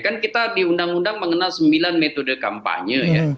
kan kita di undang undang mengenal sembilan metode kampanye ya